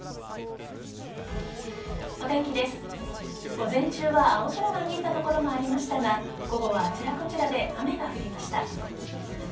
午前中は青空が見えた所もありましたが午後はあちらこちらで雨が降りました。